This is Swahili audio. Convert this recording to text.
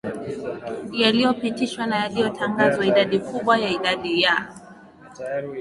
yaliyopitishwa na yaliyotangazwa Idadi kubwa ya idadi ya